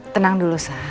tenang dulu sa